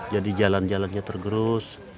jadi jalan jalannya tergerus